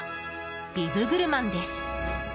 ビブグルマンです。